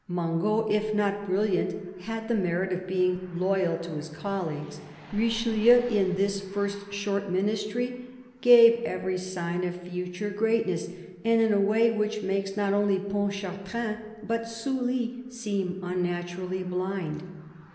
Mangot, if not brilliant, had the merit of being loyal to his colleagues. Richelieu, in this first short ministry, gave every sign of future greatness, and in a way which makes not only Pontchartrain, but Sully, seem unnaturally blind.